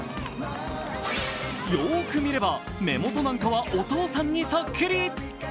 よーく見れば目元なんかはお父さんにそっくり。